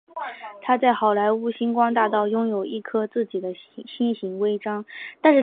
他在好莱坞星光大道拥有一颗自己的星形徽章。